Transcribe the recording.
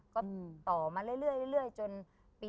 ตอนนั้นแน่ะมีหนู